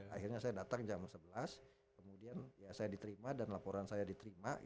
akhirnya saya datang jam sebelas kemudian saya diterima dan laporan saya diterima